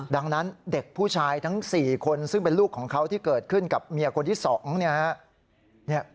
ดังนั้นเด็กผู้ชายทั้ง๔คนซึ่งเป็นลูกของเขาที่เกิดขึ้นกับเมียคนที่๒เนี่ยฮะ